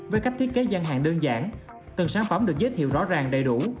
với cách thiết kế gian hàng đơn giản từng sản phẩm được giới thiệu rõ ràng đầy đủ